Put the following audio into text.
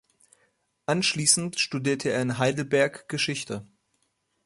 Anschließend studierte er in Heidelberg Geschichte.